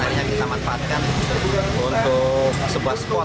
akhirnya kita manfaatkan untuk sebuah spot